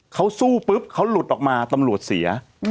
เขาสู้ปุ๊บเขาหลุดออกมาตำรวจเสีย